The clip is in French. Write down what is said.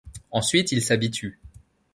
Ensuite ils s'habituent.